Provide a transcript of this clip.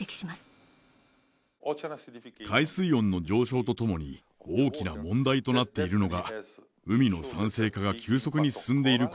海水温の上昇とともに大きな問題となっているのが海の酸性化が急速に進んでいることです。